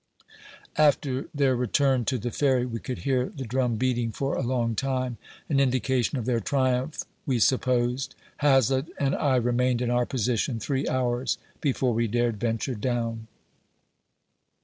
After their return to the Ferry, we could hear the drum beating for a long time ; an indication of their triumph, we supposed. Hazlett and I remained in our position three hours, before we dared venture down.